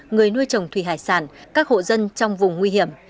người nuôi trồng thủy hải sản các hộ dân trong vùng nguy hiểm